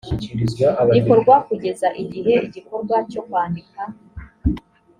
rikorwa kugeza igihe igikorwa cyo kwandika